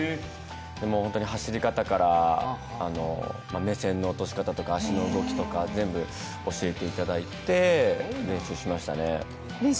走り方から目線の落とし方とか足の動きとか全部教えていただいて、練習しましたね。